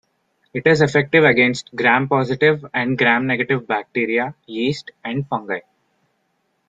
It is effective against gram-positive and gram-negative bacteria, yeast, and fungi.